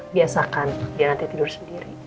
biasakan dia nanti tidur sendiri